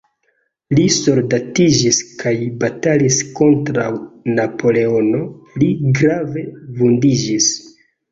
Li soldatiĝis kaj batalis kontraŭ Napoleono, li grave vundiĝis.